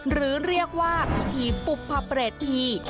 หรือเรียกว่าที่ปุประเผรฐี